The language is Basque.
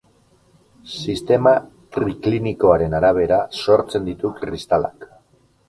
Sistema triklinikoaren arabera sortzen ditu kristalak.